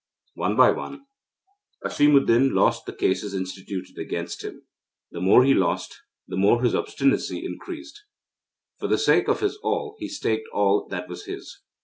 One by one, Asimuddin lost the cases instituted against him. The more he lost, the more his obstinacy increased. For the sake of his all, he staked all that was his.